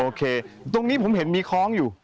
โอเคตรงนี้ผมเห็นมีคล้องอยู่